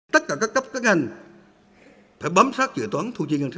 tất cả các cấp các ngành phải bấm sát chữa toán thu chi ngân sách